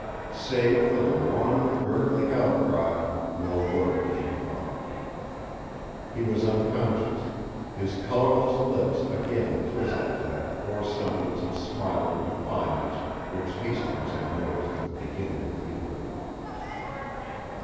Save for the one, gurgling outcry, no word came from him. He was unconscious, his colourless lips again twisted to that poor semblance of smiling defiance which Hastings had noticed at the beginning of the interview.